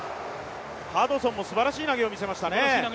ハドソンもすばらしい投げをみせましたね。